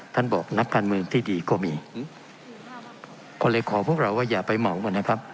ท่านบอกนักการเมืองที่ดีก็มีก็เลยขอพวกเราว่าอย่าไปเหมาก่อนนะครับ